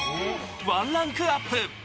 １ランクアップ。